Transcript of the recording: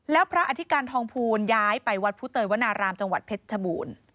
แล้วพระอธิการทองภูลย้ายไปวัดผู้เตยวนารามจังหวัดเพชรชบูรณ์